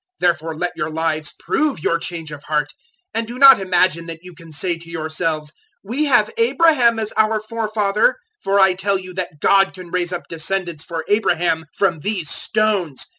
003:008 Therefore let your lives prove your change of heart; 003:009 and do not imagine that you can say to yourselves, `We have Abraham as our forefather,' for I tell you that God can raise up descendants for Abraham from these stones.